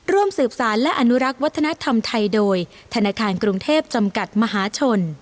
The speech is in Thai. ร่วมสืบสารและอนุรักษ์วัฒนธรรมไทยโดยธนาคารกรุงเทพจำกัดมหาชน